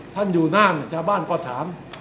ท่านอยู่นั่นชาวบ้านก็ถาม